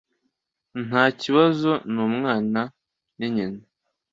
ntakibazo ni umwana n'nyina